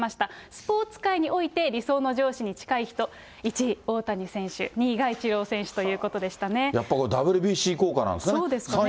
スポーツ界において、理想の上司に近い人、１位、大谷選手、２位がイチロー選手というやっぱ、そうですね。